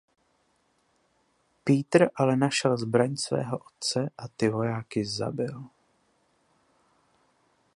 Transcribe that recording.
Peter ale našel zbraň svého otce a ty vojáky zabil.